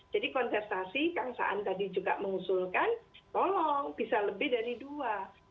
jadi kontestasi kang saan tadi juga mengusulkan tolong bisa lebih dari dua